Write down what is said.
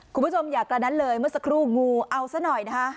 คุณผู้ชมอย่ากระนั้นเลยเมื่อสักครู่งูเอาซะหน่อยนะคะ